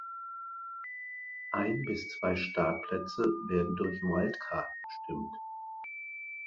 Ein bis zwei Startplätze werden durch Wildcard bestimmt.